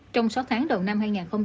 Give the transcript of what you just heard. trong sáu tháng đầu năm hai nghìn hai mươi